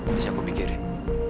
masih aku pikirin